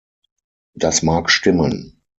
Das mag stimmen.